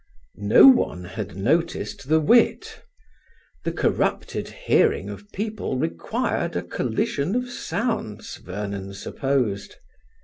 No one had noticed the wit. The corrupted hearing of people required a collision of sounds, Vernon supposed.